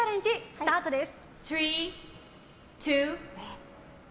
スタートです。